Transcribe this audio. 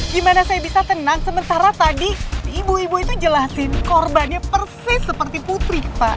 gimana saya bisa tenang sementara tadi ibu ibu itu jelasin korbannya persis seperti putri pak